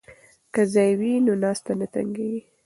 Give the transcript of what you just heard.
که ځای وي نو ناسته نه تنګیږي.